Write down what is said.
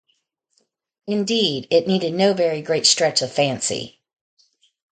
Indeed it needed no very great stretch of fancy.